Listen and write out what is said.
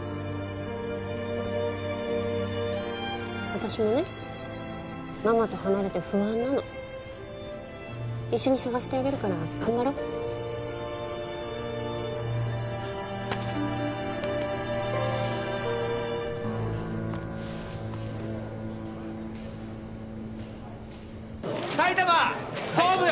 私もねママと離れて不安なの一緒に捜してあげるから頑張ろう埼玉東部